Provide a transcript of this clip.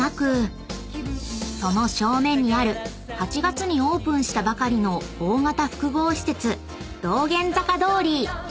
［その正面にある８月にオープンしたばかりの大型複合施設道玄坂通］